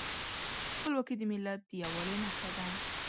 خپلواکي د ملت د یووالي نښه ده.